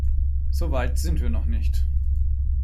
So weit sind wir noch nicht.